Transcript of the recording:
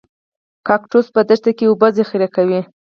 کاکتوس په دښته کې اوبه ذخیره کوي